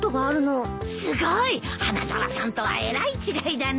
すごい！花沢さんとはえらい違いだね。